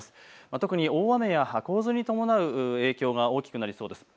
特に大雨や洪水に伴う影響が大きくなりそうです。